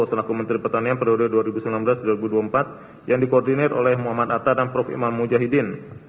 selaku menteri pertanian periode dua ribu sembilan belas dua ribu dua puluh empat yang dikoordinir oleh muhammad atta dan prof imam mujahidin